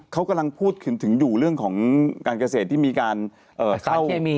เขากำลังพูดถึงอยู่เรื่องของการเกษตรที่มีการเข้า